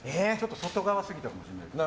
外側すぎたかもしれない。